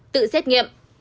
tự xét nghiệm